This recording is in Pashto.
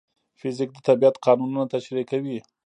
فزیک د طبیعت قانونونه تشریح کوي.